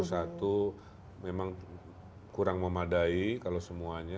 satu memang kurang memadai kalau semuanya